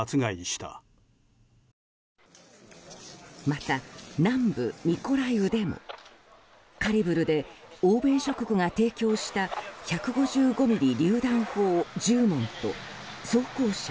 また、南部ミコライウでもカリブルで欧米諸国が提供した１５５ミリりゅう弾砲１０門と装甲車